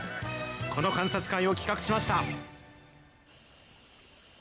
この観察会を企画しました。